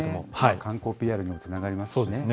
観光ＰＲにつながりますしね。